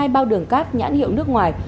một mươi hai bao đường cát nhãn hiệu nước ngoài